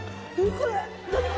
これ。